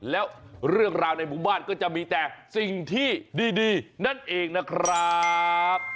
แล้วเรื่องราวในหมู่บ้านก็จะมีแต่สิ่งที่ดีนั่นเองนะครับ